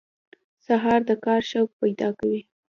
سهار د کار شوق پیدا کوي.